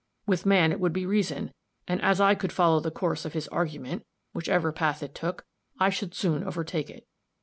With man it would be reason; and as I could follow the course of his argument, whichever path it took, I should soon overtake it.